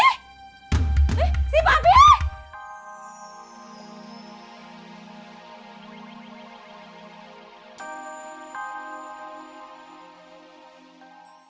eh si papih